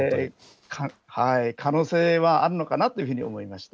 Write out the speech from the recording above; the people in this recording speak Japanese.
可能性はあるのかなというふうに思いました。